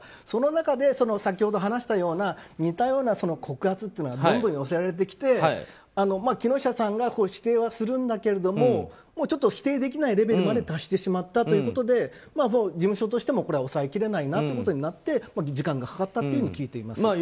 その中で先ほど話したような似たような告発がどんどん寄せられてきて木下さんが否定はするんだけどもちょっと否定できないレベルまで達してしまったということで事務所としても抑えきれないなということになって時間がかかったと聞いています。